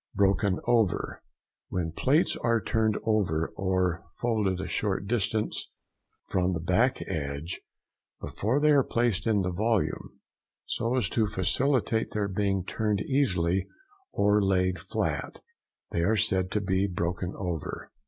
BROKEN OVER.—When plates are turned over or folded a short distance from the back edge, before they are placed in the volume, so as to facilitate their being turned easily or laid flat, they are said to be broken over.